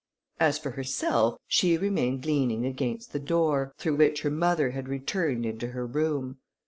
As for herself, she remained leaning against the door, through which her mother had returned into her room.